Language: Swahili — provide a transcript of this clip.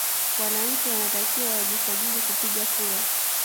Wananchi wanatakiwa wajisajili kupiga kura